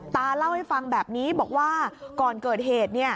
ตาเล่าให้ฟังแบบนี้บอกว่าก่อนเกิดเหตุ